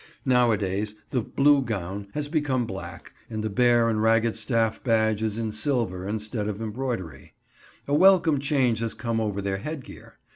Nowadays the "blue gown" has become black, and the Bear and Ragged Staff badge is in silver, instead of embroidery. A welcome change has come over their headgear.